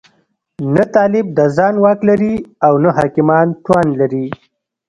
نه طالب د ځان واک لري او نه حاکمان توان لري.